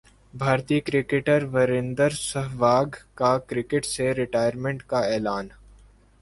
بھارتی کرکٹر وریندر سہواگ کا کرکٹ سے ریٹائرمنٹ کا اعلان